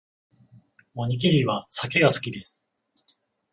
おにぎりはサケが好きです